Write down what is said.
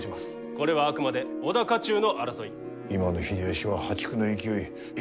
これはあくまで織田家中の争い。